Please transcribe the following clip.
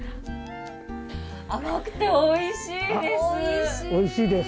甘くておいしいです！